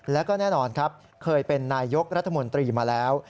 แล้วก็แน่นอนครับเคยเป็นนายยกรัฐมนตรีมาแล้ว